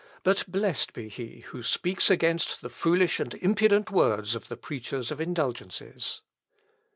"But blessed be he who speaks against the foolish and impudent words of the preachers of indulgences.